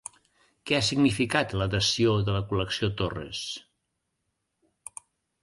Què ha significat la dació de la col·lecció Torres?